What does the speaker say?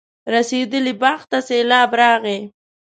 رسېدلي باغ ته سېلاب راغی.